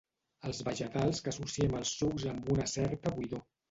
Els vegetals que associem als sucs amb una certa buidor.